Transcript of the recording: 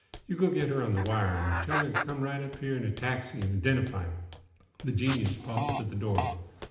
You go get her on the wire and t'll her t' come right up here'n a taxi and identify him." The genius paused at the door.